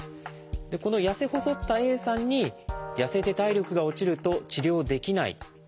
このやせ細ったＡさんにやせて体力が落ちると治療できない。